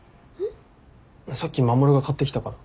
さっき守が買ってきたから。